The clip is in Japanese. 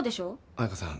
彩佳さん。